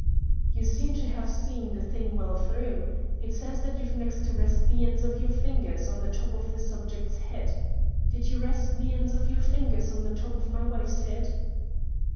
"You seem to have seen the thing well through. It says that you've next to rest the ends of your fingers on the top of the subject's head. Did you rest the ends of your fingers on the top of my wife's head?"